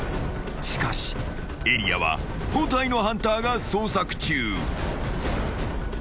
［しかしエリアは５体のハンターが捜索中］